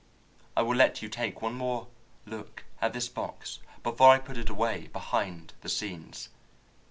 I will let you take one more look at this box before I put it away behind the scenes.